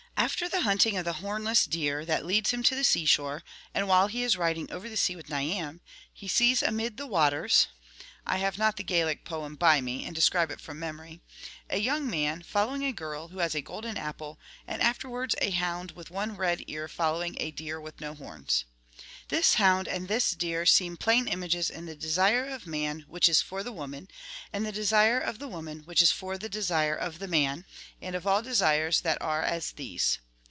After the hunting of the hornless deer, that leads him to the seashore, and while he is rid ing over the sea with Niam, he sees amid the waters — I have not the Gaelic poem by me, and describe it from memory — a young man following a girl who has a golden apple, and afterwards a hound with one red ear following a deer with no horns. This hound and this deer seem plain images of the desire of man 92 ' which is for the woman, ' and ' the desire of the woman which is for the desire of the man,' and of all desires that are as these.